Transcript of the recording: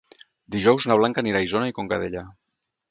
Dijous na Blanca anirà a Isona i Conca Dellà.